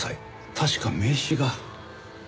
確か名刺が。